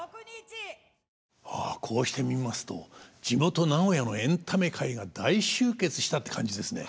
ああこうして見ますと地元名古屋のエンタメ界が大集結したって感じですね。